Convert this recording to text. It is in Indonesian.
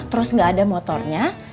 terus gak ada motornya